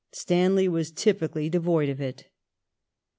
Stanley was typically devoid of it.